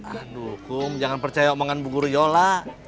aduh hukum jangan percaya omongan bu guriola